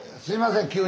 すいません